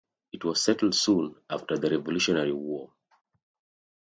It was settled soon after the Revolutionary War.